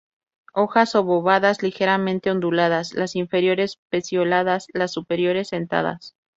Hojas obovadas, ligeramente onduladas; las inferiores pecioladas; las superiores sentadas.